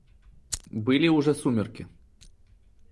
Были уже сумерки.